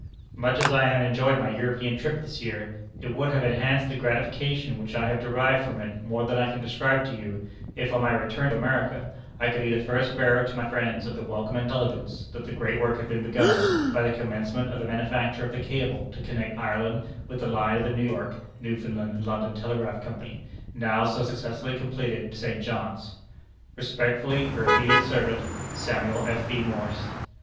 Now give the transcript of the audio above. "Much as I have enjoyed my European trip this year, it would have enhanced the gratification which I have derived from it more than I can describe to you, if on my return to America, I could be the first bearer to my friends of the welcome intelligence that the great work had been begun, by the commencement of the manufacture of the cable to connect Ireland with the line of the New York, Newfoundland, and London Telegraph Company, now so successfully completed to St. John's. "Respectfully, your obedient servant, "Samuel F. B. Morse."